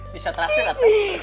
bisa terakhir atau